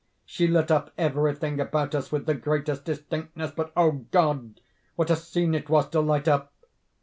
She lit up every thing about us with the greatest distinctness—but, oh God, what a scene it was to light up!